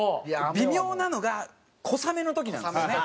微妙なのが小雨の時なんですよね。